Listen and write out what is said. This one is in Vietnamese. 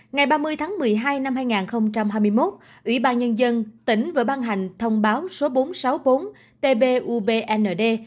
ngày ba mươi tháng một mươi hai năm hai nghìn hai mươi một ủy ban nhân dân tỉnh vừa ban hành thông báo số bốn trăm sáu mươi bốn tbubnd